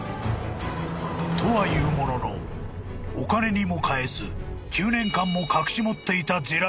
［とはいうもののお金にも換えず９年間も隠し持っていたジェラルド］